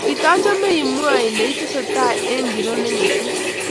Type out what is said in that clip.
katachame i mwa ile itesetai eng' ngiro ne ngetun